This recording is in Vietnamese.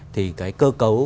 thì cái cơ cầu